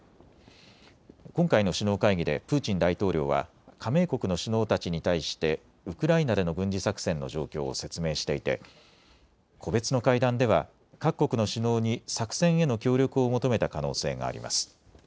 今回の首脳会議でプーチン大統領は加盟国の首脳たちに対してウクライナでの軍事作戦の状況を説明していて個別の会談では各国の首脳に作戦への協力を求めた可能性があります。